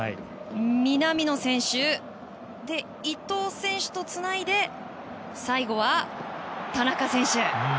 南野選手、伊東選手とつないで最後は、田中選手。